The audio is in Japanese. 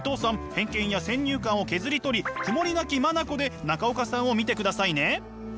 偏見や先入観を削り取り曇りなき眼で中岡さんを見てくださいね。